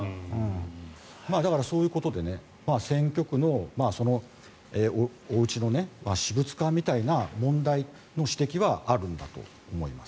だから、そういうことで選挙区のおうちの私物化みたいな問題の指摘はあるんだと思います。